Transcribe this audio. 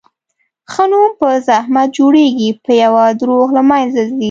ښه نوم په زحمت جوړېږي، په یوه دروغ له منځه ځي.